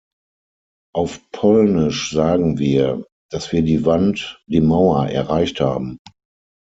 Auf Polnisch sagen wir, dass wir die Wand, die Mauer erreicht haben.